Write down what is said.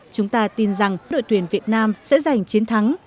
chúng ta tin rằng đội tuyển việt nam sẽ giành chiến thắng